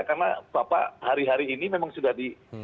karena pak hari hari ini memang sudah di